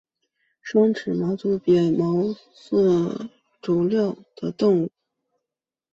双齿毛足蟹为扇蟹科毛足蟹属的动物。